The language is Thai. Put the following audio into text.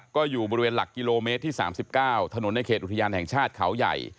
ก็อยู่บริเวณหลักกิโลเมตรที่๓๙ถนนในเขตอุทยานแห่งชาติเขาใหญ่